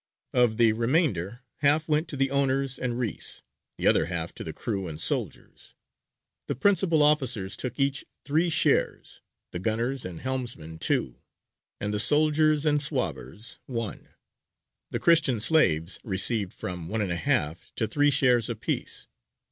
Of the remainder, half went to the owners and reïs, the other half to the crew and soldiers. The principal officers took each three shares, the gunners and helmsmen two, and the soldiers and swabbers one; the Christian slaves received from 1½ to three shares apiece.